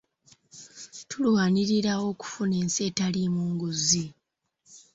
Tulwanirira okufuna ensi etalimu nguzi.